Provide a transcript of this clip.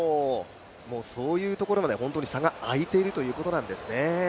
そういうところまで、本当に差が空いているということなんですね。